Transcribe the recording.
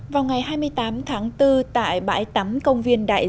vào ngày hai mươi tám tháng bốn tại bãi tắm công viên đắk lắc